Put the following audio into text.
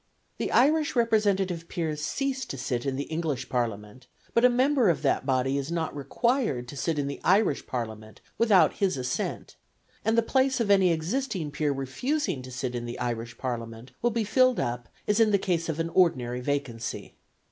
The Irish representative peers cease to sit in the English Parliament; but a member of that body is not required to sit in the Irish Parliament without his assent, and the place of any existing peer refusing to sit in the Irish Parliament will be filled up as in the case of an ordinary vacancy.